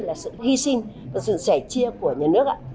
đây là sự hy sinh sự sẻ chia của nhà nước